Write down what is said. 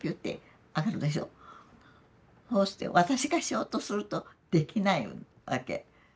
そうして私がしようとするとできないわけ。